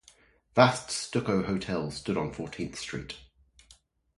Vast stucco hotels stood on Fourteenth Street...